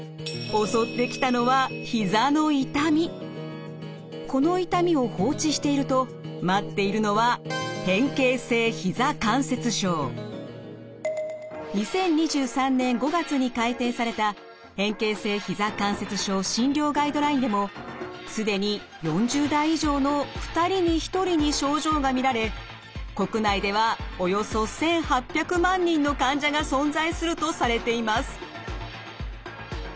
襲ってきたのはこの痛みを放置していると待っているのは２０２３年５月に改訂された「変形性膝関節症診療ガイドライン」でも既に４０代以上の２人に１人に症状が見られ国内ではおよそ１，８００万人の患者が存在するとされています。